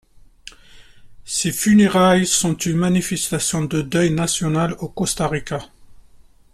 Ses funérailles sont une manifestation de deuil national au Costa Rica.